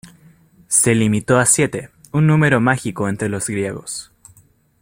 Se limitó a siete, un número mágico entre los griegos.